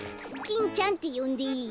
キンちゃんってよんでいい？